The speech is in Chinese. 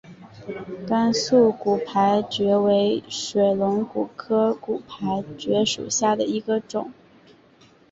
甘肃骨牌蕨为水龙骨科骨牌蕨属下的一个种。